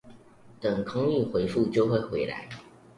等空運恢復就會回來